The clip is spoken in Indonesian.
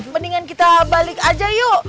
mendingan kita balik aja yuk